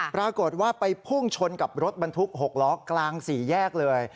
ปรากฏว่าไปพุ่งชนกับรถบรรทุก๖ล้อกลางสี่แยกเลย